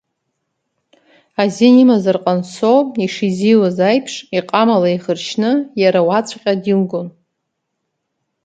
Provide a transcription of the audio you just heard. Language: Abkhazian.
Азин имазар Ҟансоу ишизиуз аиԥш иҟама лаиӷыршьны иара уаҵәҟьа дилгон.